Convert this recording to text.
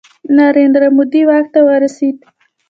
نریندرا مودي واک ته ورسید.